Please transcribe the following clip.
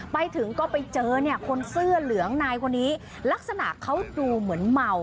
ไปถึงก็ไปเจอเนี่ยคนเสื้อเหลืองนายคนนี้ลักษณะเขาดูเหมือนเมา